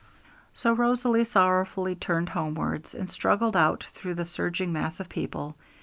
So Rosalie sorrowfully turned homewards, and struggled out through the surging mass of people.